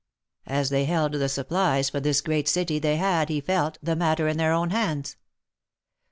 As they held the sup plies for this great city, they had, he felt, the matter in their own hands.